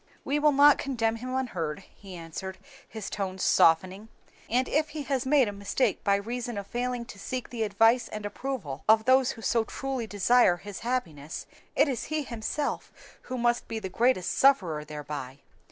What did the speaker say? "We will not condemn him unheard," he answered, his tones softening, "and if he has made a mistake by reason of failing to seek the advice and approval of those who so truly desire his happiness, it is he himself who must be the greatest sufferer thereby."